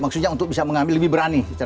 maksudnya untuk bisa mengambil lebih berani